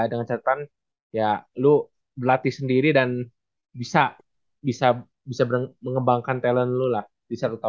dengan catatan ya lu berlatih sendiri dan bisa bisa mengembangkan talent lo lah di satu tahun